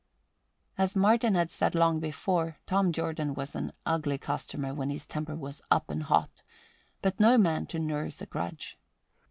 As Martin had said long before, Tom Jordan was an ugly customer when his temper was up and hot, but no man to nurse a grudge.